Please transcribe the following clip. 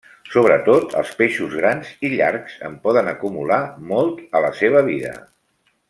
Sobretot els peixos grans i llargs en poden acumular molt a la seva vida.